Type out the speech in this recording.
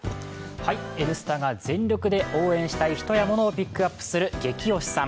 「Ｎスタ」が全力で応援したい人や物をピックアップする「ゲキ推しさん」。